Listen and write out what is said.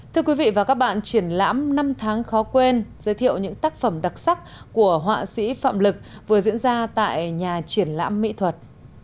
thưa quý vị và các bạn triển lãm năm tháng khó quên giới thiệu những tác phẩm đặc sắc của họa sĩ phạm lực vừa diễn ra tại nhà triển lãm mỹ thuật